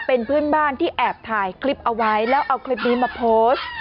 เป็นเพื่อนบ้านที่แอบถ่ายคลิปเอาไว้แล้วเอาคลิปนี้มาโพสต์